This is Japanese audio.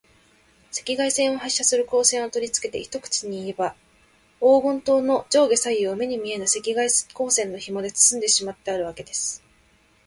赤外線を発射する光線をとりつけて、一口にいえば、黄金塔の上下左右を、目に見えぬ赤外光線のひもでつつんでしまってあるわけです。